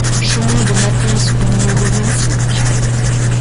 Chemin de Matens au numéro vingt-cinq